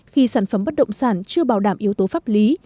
khi sản phẩm bất động sản chưa bảo đảm yếu tố pháp lý